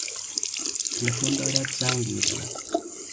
تلفن دارد زنگ میزند.